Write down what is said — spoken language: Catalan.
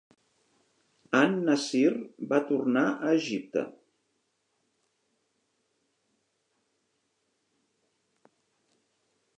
An-Nàssir va tornar a Egipte.